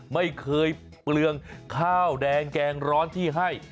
ไม่เคยเปลืองข้าวแดงแกงร้อนที่ให้